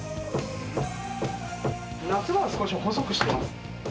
夏場は少し細くしてます。